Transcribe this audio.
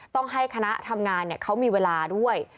ต้องให้คณะทำงานเขามีเวลาด้วย